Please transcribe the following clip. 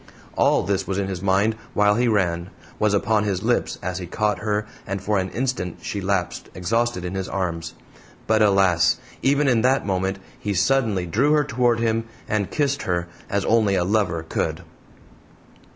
All this was in his mind while he ran, was upon his lips as he caught her and for an instant she lapsed, exhausted, in his arms. But, alas! even in that moment he suddenly drew her toward him, and kissed her as only a lover could!